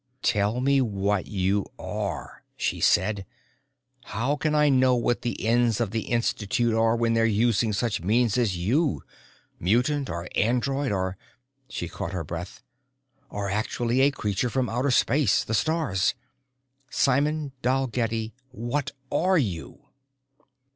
"Tell me what you are," she said. "How can I know what the ends of the Institute are when they're using such means as you? Mutant or android or" she caught her breath "or actually a creature from outer space, the stars. Simon Dalgetty, what are you?"